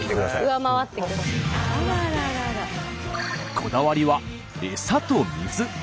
こだわりは餌と水。